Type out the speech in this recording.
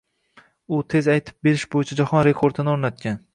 U tez aytib berish boʻyicha jahon rekordini oʻrnatgan.